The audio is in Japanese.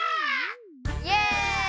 イエイ！